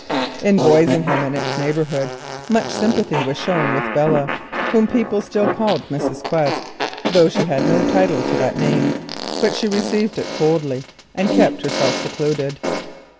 In Boisingham and its neighbourhood much sympathy was shown with Belle, whom people still called Mrs. Quest, though she had no title to that name. But she received it coldly and kept herself secluded.